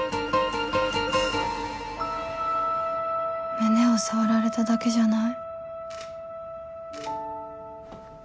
胸を触られただけじゃない